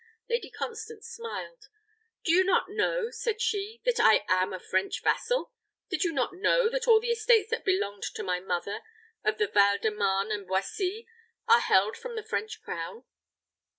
Lady Constance smiled. "Do you not know," said she, "that I am a French vassal? Do you not know that all the estates that belonged to my mother, of the Val de Marne and Boissy, are held from the French crown?"